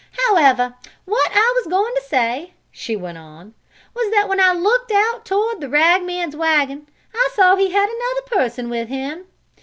"However, what I was going to say," she went on, "was that when I looked out toward the rag man's wagon, I saw he had another person with him.